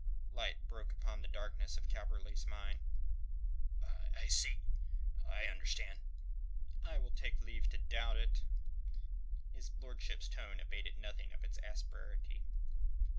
Light broke upon the darkness of Calverley's mind. "I see. I understand." "I will take leave to doubt it." His lordship's tone abated nothing of its asperity.